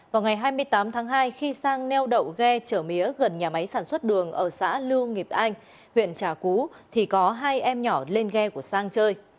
vào ngày hai mươi tám tháng hai khi sang neo đậu ghe chở mía gần nhà máy sản xuất đường ở xã lưu nghiệp anh huyện trà cú thì có hai em nhỏ lên ghe của sang chơi